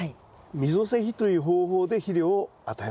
溝施肥という方法で肥料を与えます。